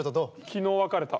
昨日別れた。